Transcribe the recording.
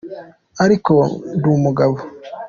ariko ndumugabo